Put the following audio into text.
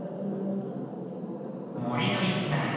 もりのいすだ。